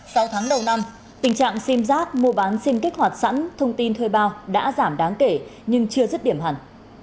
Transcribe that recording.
sau tháng đầu năm tình trạng sim giác mua bán sim kích hoạt sẵn thông tin thuê bao đã giảm đáng kể nhưng chưa dứt điểm hẳn